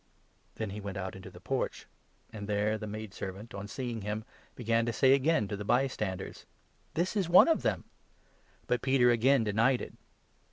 Then he went out into the porch ; and there the maidservant, on seeing him, began to say again to the by standers :" This is one of them !" But Peter again denied it.